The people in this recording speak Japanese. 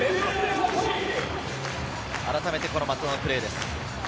あらためて松田のプレーです。